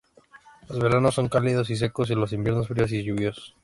Los veranos son cálidos y secos, y los inviernos fríos y lluviosos.